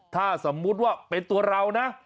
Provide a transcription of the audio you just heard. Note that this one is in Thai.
ถ้าสมมุติว่าเป็นตัวเรานะ